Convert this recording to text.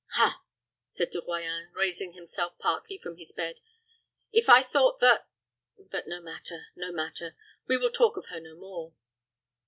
"Ha!" said De Royans, raising himself partly from the bed. "If I thought that but no matter, no matter. We will talk of her no more."